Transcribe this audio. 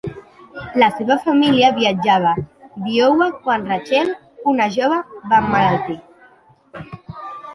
La seva família viatjava d'Iowa quan Rachel, una jove, va emmalaltir.